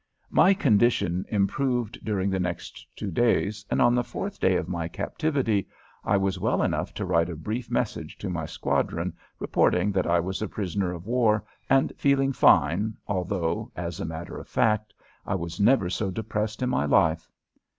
My condition improved during the next two days and on the fourth day of my captivity I was well enough to write a brief message to my squadron reporting that I was a prisoner of war and "feeling fine," although, as a matter of fact, I was never so depressed in my life.